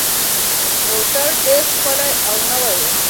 موټر ډېر ښکلی او نوی و.